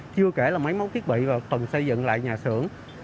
chưa kể là máy móng thiết bị và phần xây dựng lại nhà xưởng